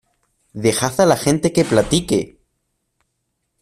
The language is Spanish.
¡ dejad a la gente que platique!